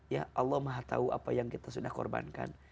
ya allah maha tahu apa yang kita sudah korbankan